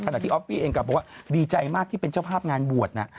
ที่ออฟฟี่เองกลับบอกว่าดีใจมากที่เป็นเจ้าภาพงานบวชนะ